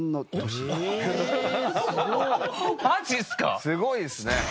すごいですね。